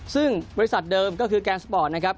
ซึ่งบริษัทเดิมก็คือแกนสปอร์ตนะครับ